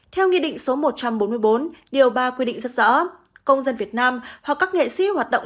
theo nghị định số một trăm bốn mươi bốn điều ba quy định rất rõ công dân việt nam hoặc các nghệ sĩ hoạt động